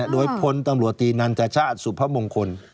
โดยพลตำรวจทีนันจจาสุภระมงคล